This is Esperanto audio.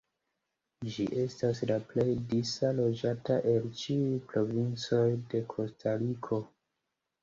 Ĝi estas la plej disa loĝata el ĉiuj provincoj de Kostariko.